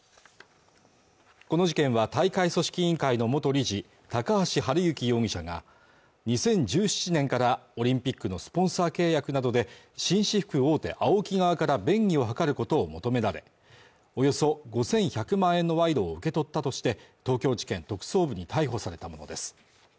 この事件は大会組織委員会の元理事高橋治之容疑者が２０１７年からオリンピックのスポンサー契約などで紳士服大手ＡＯＫＩ側から便宜を図ることを求められおよそ５１００万円の賄賂を受け取ったとして東京地検特捜部に逮捕されたものです